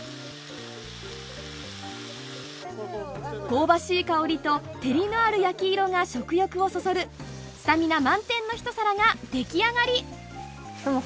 香ばしい香りと照りのある焼き色が食欲をそそるスタミナ満点のひと皿が出来上がり！